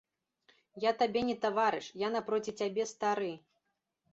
Я табе не таварыш, я напроці цябе стары.